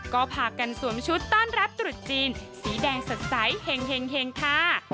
ก็พากันสวมชุดต้อนรับตรุษจีนสีแดงสดใสเห็งค่ะ